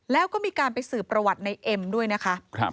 แล้วก็มีการไปสืบประวัติในเอ็มด้วยนะคะ